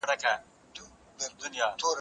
که روغتيايي خدمات ښه سي د خلګو ژوند به اوږد سي.